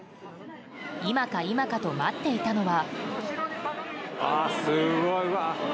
今か今かと待っていたのは。